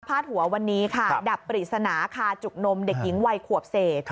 หัววันนี้ค่ะดับปริศนาคาจุกนมเด็กหญิงวัยขวบเศษ